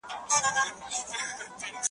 لوی او کم نارې وهلې په خنداوه `